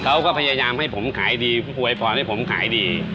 เขาก็พยายามให้ผมขายดีอวยพรให้ผมขายดี